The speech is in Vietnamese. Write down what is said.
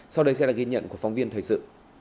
sau đây sẽ là ghi nhận của phóng viên thời sự